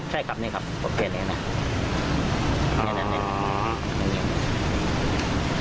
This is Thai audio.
ใช่ครับนี่ครับแค่นี้นะ